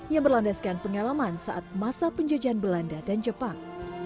yang berlandaskan pengalaman saat masa penjajahan belanda dan jepang